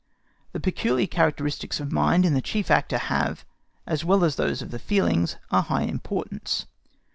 The peculiar characteristics of mind in the chief actor have, as well as those of the feelings, a high importance.